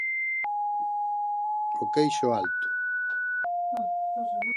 O queixo alto.